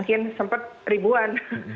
mungkin sempat ribuan